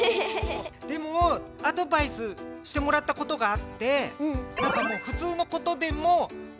でもアドバイスしてもらったことがあって。